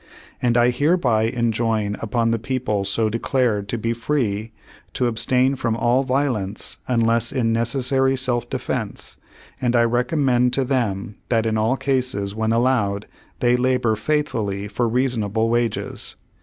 "And I hereby enjoin upon the people so declared to be free to abstain from all violence, unless in necessary self defense; and I recommend to them that, in all cases when allowed, they labor faithfully for reasonable wages.